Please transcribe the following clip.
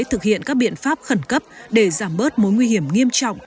thực hiện các biện pháp khẩn cấp để giảm bớt mối nguy hiểm nghiêm trọng